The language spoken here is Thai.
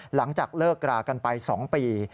หลังจากเลิกรากันไป๒ปี